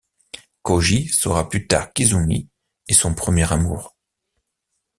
Koji saura plus tard qu'Izumi est son premier amour.